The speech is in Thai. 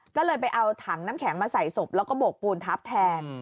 ก็เลยไปเอาถังน้ำแข็งมาใส่ศพแล้วก็โบกปูนทับแทน